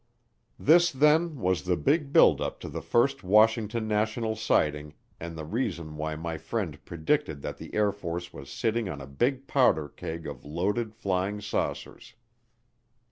This then was the big build up to the first Washington national sighting and the reason why my friend predicted that the Air Force was sitting on a big powder keg of loaded flying saucers.